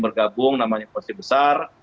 bergabung namanya koalisi besar